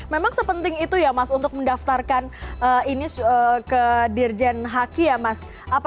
memang sepenting itu ya mas untuk mendaftarkan ini ke dirjen haki ya mas